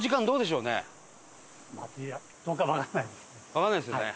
わかんないですよね。